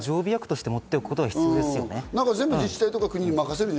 常備薬として持っておくことが大事ですね。